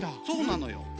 そうなのよ。